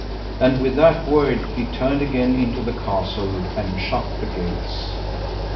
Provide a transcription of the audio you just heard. And with that word he turned again into the castle, and shut the gates.